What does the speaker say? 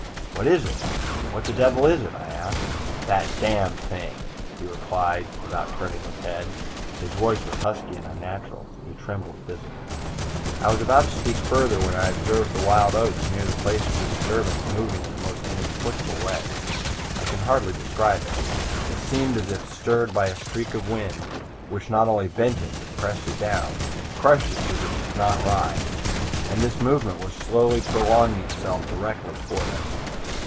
"'What is it? What the devil is it?' I asked. "'That Damned Thing!' he replied, without turning his head. His voice was husky and unnatural. He trembled visibly. "I was about to speak further, when I observed the wild oats near the place of the disturbance moving in the most inexplicable way. I can hardly describe it. It seemed as if stirred by a streak of wind, which not only bent it, but pressed it down crushed it so that it did not rise, and this movement was slowly prolonging itself directly toward us.